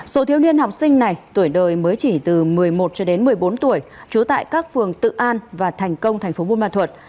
số thiếu niên học sinh này tuổi đời mới chỉ từ một mươi một cho đến một mươi bốn tuổi trú tại các phường tự an và thành công thành phố buôn ma thuật